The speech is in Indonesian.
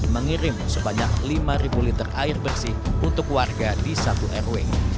mengirim sebanyak lima liter air bersih untuk warga di satu rw